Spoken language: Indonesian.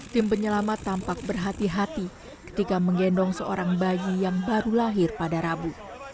tim penyelamat tampak berhati hati ketika menggendong seorang bayi yang baru lahir pada rabu